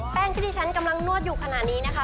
แป้งที่ที่ฉันกำลังนวดอยู่ขนาดนี้นะคะ